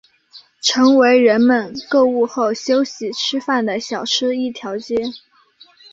成为人们购物后休息吃饭的小吃一条街。